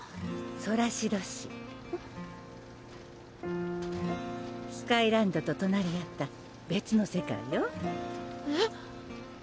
・ソラシド市・スカイランドととなり合った別の世界よえっ